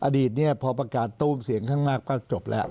อดีตนี้พอประกาศตู้มเสียงข้างมากก็จบแล้ว